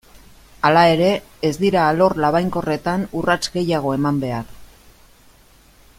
Hala ere, ez dira alor labainkorretan urrats gehiago eman behar.